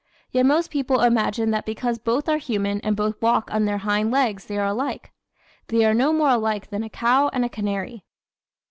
Yet most people imagine that because both are human and both walk on their hind legs they are alike. They are no more alike than a cow and a canary.